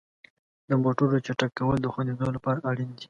د موټرو چک کول د خوندیتوب لپاره اړین دي.